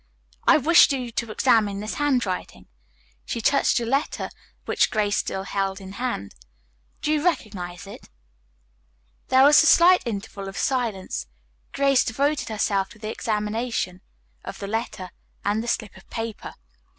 I wish you to examine this handwriting," she touched the letter which Grace still held in hand. "Do you recognize it?" There was a slight interval of silence. Grace devoted herself to the examination of the letter and the slip of paper.